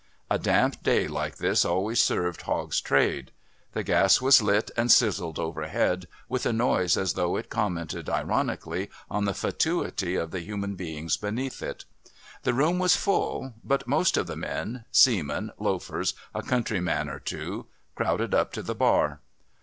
A damp day like this always served Hogg's trade. The gas was lit and sizzled overhead with a noise as though it commented ironically on the fatuity of the human beings beneath it. The room was full, but most of the men seamen, loafers, a country man or two crowded up to the bar.